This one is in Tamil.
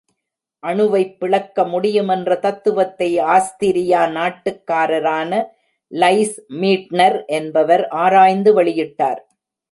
அணுவைப் பிளக்க முடியும் என்ற தத்துவத்தை, ஆஸ்திரியா நாட்டுக்காரரான லைஸ் மீட்னர் என்பவர் ஆராய்ந்து வெளியிட்டார்.